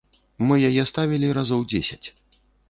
Мы яе ставілі разоў дзесяць.